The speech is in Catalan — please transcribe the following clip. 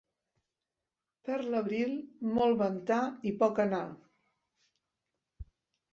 Per l'abril, molt ventar i poc anar.